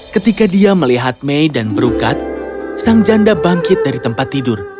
ketika dia melihat mei dan berukat sang janda bangkit dari tempat tidur